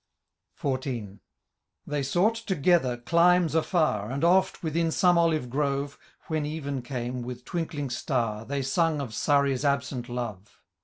XIV. They sought, together, climes afiir. And oft, within some olive grove. When even came with twinkling star. They sung of Surrey's absent love.